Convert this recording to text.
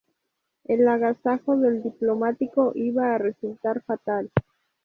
El agasajo del diplomático iba a resultar fatal.